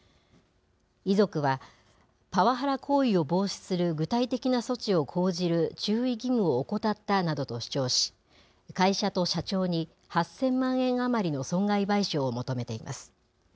遺族は、パワハラ行為を防止する具体的な措置を講じる注意義務を怠ったなどと主張し、会社と社長に８０００万円余りの損害賠償を求めています。